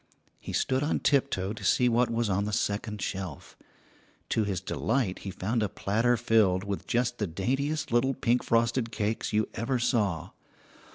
He stood on tiptoe to see what was on the second shelf. To his delight he found a platter filled with just the daintiest little pink frosted cakes you ever saw.